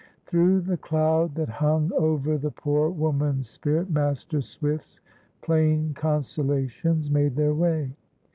Through the cloud that hung over the poor woman's spirit, Master Swift's plain consolations made their way.